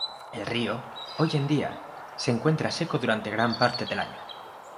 El río, hoy día, se encuentra seco durante gran parte del año.